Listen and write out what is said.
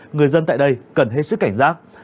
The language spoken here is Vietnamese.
người dân tại đây cần hết sức cảnh giác